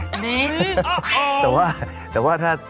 นี่โอ้โหแต่ว่าแต่ว่าถ้า